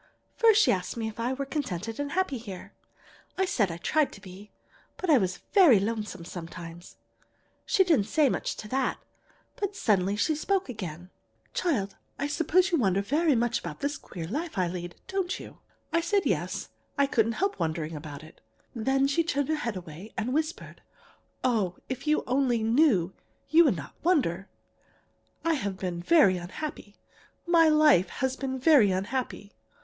First she asked me if I were contented and happy here. I said I tried to be, but I was very lonely sometimes. She didn't say much to that, but suddenly she spoke again: [Illustration: "Child, I suppose you wonder very much at this queer life I lead!"] "'Child, I suppose you wonder very much at this queer life I lead, don't you?' I said, yes, I couldn't help wondering about it. Then she turned away her head and whispered: "'Oh, if you only knew, you would not wonder! I have been very unhappy. My life has been very unhappy!'